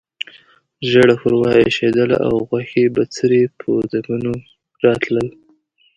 ژېړه ښوروا اېشېدله او غوښې بڅري په ځګونو راتلل.